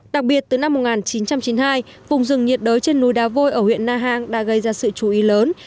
đặc biệt từ năm một nghìn chín trăm chín mươi hai vùng rừng nhiệt đới trên núi đá vôi ở huyện na hàng đã gây ra sự chú ý lớn